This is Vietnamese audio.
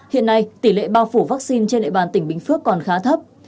hiện nay tỷ lệ bao phủ vaccine trên địa bàn tỉnh bình phước còn khá thấp